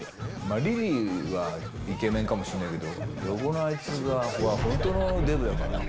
リリーはイケメンかもしれないけど、横のあいつは、本当のデブだから。